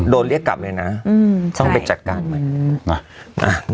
โดนเรียกกลับเลยนะต้องไปจัดการใหม่นะ